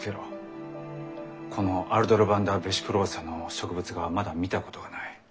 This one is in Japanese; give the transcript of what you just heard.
このアルドロヴァンダ・ヴェシクローサの植物画はまだ見たことがない。